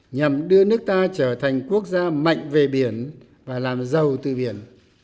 nhằm đưa nước ta trở thành quốc gia mạnh về biển và làm giàu từ biển